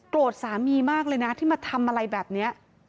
สามีมากเลยนะที่มาทำอะไรแบบนี้